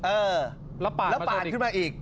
เออแล้วปาดขึ้นมาอีก